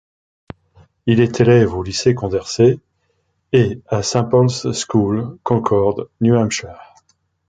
Il est élève au lycée Condorcet et à St Paul's School, Concord, New Hampshire.